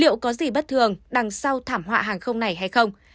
liệu có gì bất thường đằng sau thảm họa hàng không này hay không